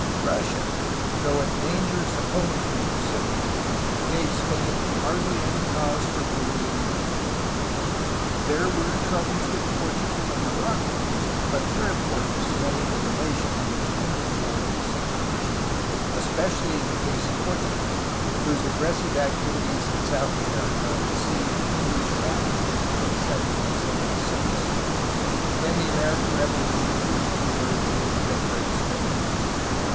Russia, though a dangerous opponent in the Pacific, gave Spain hardly any cause for worry in Europe. There were troubles with Portugal and Morocco, but their importance lay in the relation which England bore to the situation, especially in the case of Portugal, whose aggressive activi 256 A HISTORY OF CALIFORNIA ties in South America received English backing until 1776, when the American Revolution produced a diversion ii favor of Spain.